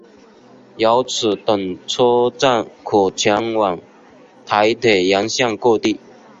由此等车站可前往台铁沿线各地。